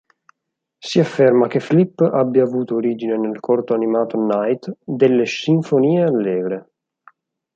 Si afferma che Flip abbia avuto origine nel corto animato "Night" delle "Sinfonie allegre".